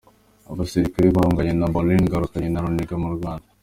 Abasirikare bahunganye na Baudouin Ngaruye na Runiga mu Rwanda.